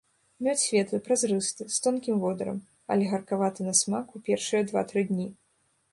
Мёд светлы, празрысты, з тонкім водарам, але гаркаваты на смак у першыя два-тры тыдні.